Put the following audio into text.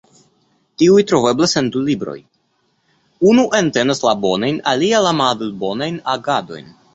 Tiuj troveblas en du libroj: unu entenas la bonajn alia la malbonajn agadojn.